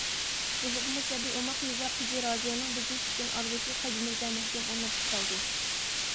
بولۇپمۇ سەبىي، ئوماق يېزا قىزى رازىيەنىڭ بىزدىن كۈتكەن ئارزۇسى قەلبىمىزدە مەھكەم ئورناپ قالدى.